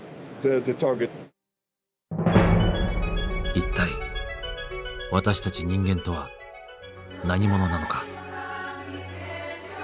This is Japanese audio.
一体私たち人間とは何者なのか？